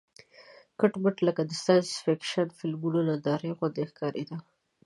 کټ مټ لکه د ساینس فېکشن فلمونو نندارې غوندې ښکارېده.